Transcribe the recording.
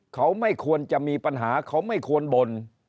เขาไม่ควรจะมีปัญหาเขาไม่ควรบ่น